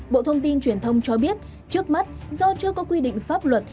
bộ thông tin truyền thông cho biết trước mắt do chưa có quy định pháp luật